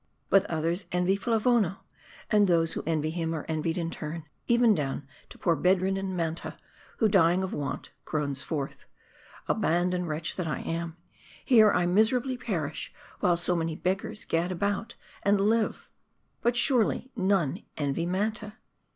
But others envy Flavona ; and those who envy him are envied in turn ; evn down to poor bed ridden Manta, who dying of want, groans forth, ' Abandoned wretch that I am ! here I miserably perish, while so many beggars gad about and live !' But surely, none envy Manta